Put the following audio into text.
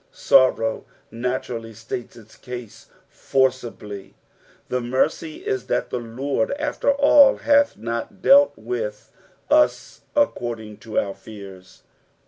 Sorrow naturally states its case forcibly ; the mercy is that the Lord after all hath not dealt with us accorfling to our fears.